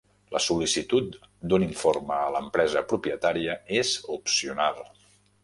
La sol·licitud d'un informe a l'empresa propietària és opcional.